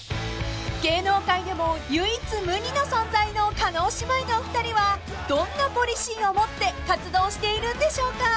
［芸能界でも唯一無二の存在の叶姉妹のお二人はどんなポリシーを持って活動しているんでしょうか？］